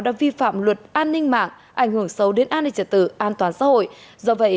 đã vi phạm luật an ninh mạng ảnh hưởng sâu đến an ninh trật tự an toàn xã hội do vậy